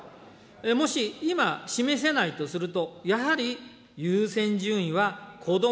もし今、示せないとすると、やはり優先順位はこども・